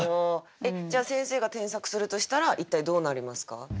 じゃあ先生が添削するとしたら一体どうなりますか？